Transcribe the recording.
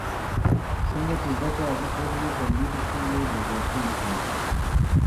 څرنګه چې زده کړه ارزښت ولري، ټولنیزې ستونزې به زیاتې نه شي.